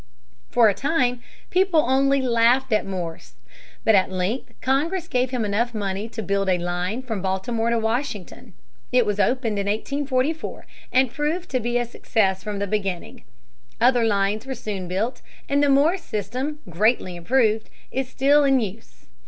For a time people only laughed at Morse. But at length Congress gave him enough money to build a line from Baltimore to Washington. It was opened in 1844, and proved to be a success from the beginning. Other lines were soon built, and the Morse system, greatly improved, is still in use.